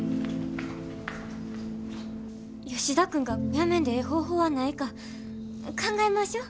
吉田君がやめんでええ方法はないか考えましょ？